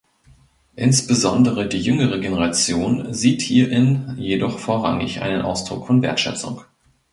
Insbesondere die jüngere Generation sieht hierin jedoch vorrangig einen Ausdruck von Wertschätzung.